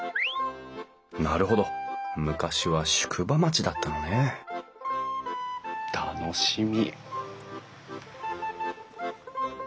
なるほど昔は宿場町だったのね楽しみ。